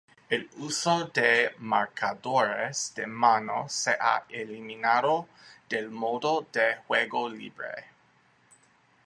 El uso de marcadores de mano se ha eliminado del modo de juego libre.